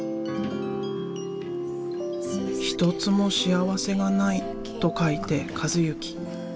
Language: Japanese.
「一つも幸せがない」と書いて「一幸」。